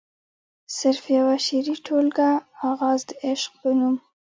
صرف يوه شعري ټولګه “اغاز َد عشق” پۀ نوم